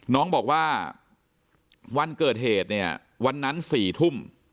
น้องบอกว่าวันเกิดเหตุวันนั้นสี่ทุ่ม